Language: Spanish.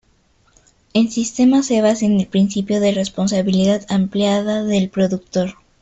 El sistema se basa en el principio de responsabilidad ampliada del productor.